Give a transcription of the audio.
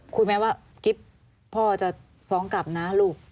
คุยไหมว่ากิ๊บพ่อจะฟ้องกลับนะลูก